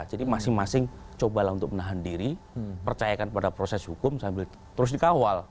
jadi masing masing cobalah untuk menahan diri percayakan pada proses hukum sambil terus dikawal